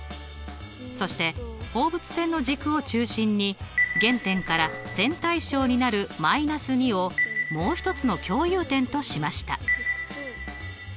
そして放物線の軸を中心に原点から線対称になる−２をもう一つの共有点としました。